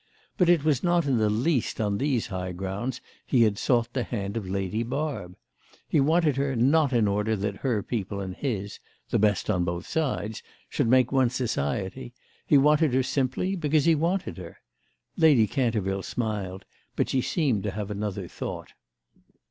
But it was not in the least on these high grounds he had sought the hand of Lady Barb. He wanted her not in order that her people and his—the best on both sides!—should make one society; he wanted her simply because he wanted her. Lady Canterville smiled, but she seemed to have another thought.